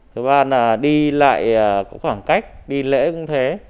thứ ba là đi lại có khoảng cách đi lễ cũng thế